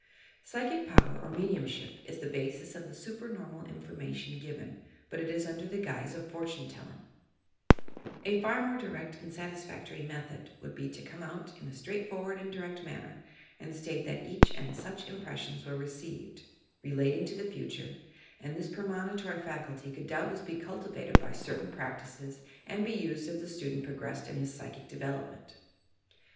Psychic power or mediumship is the basis of the supernormal information given, but it is under the guise of fortune telling, A far more direct and satisfactory method would be to come out in a straight for ward and direct manner, and state that such and such impressions were received, relating to the future, and this premonitory faculty could doubtless be cultivated by certain practices and be used as the student progressed in his psychic develop ment.